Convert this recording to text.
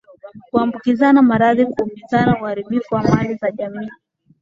Kuambukizana maradhi Kuumizani Uharibifu wa mali za jamii